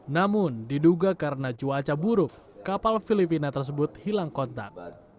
namun diduga karena cuaca buruk kapal filipina tersebut hilang kontak